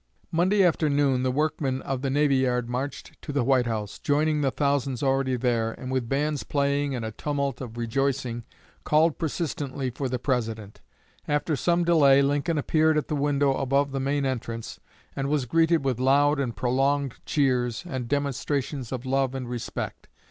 Monday afternoon the workmen of the navy yard marched to the White House, joining the thousands already there, and with bands playing and a tumult of rejoicing, called persistently for the President. After some delay Lincoln appeared at the window above the main entrance, and was greeted with loud and prolonged cheers and demonstrations of love and respect.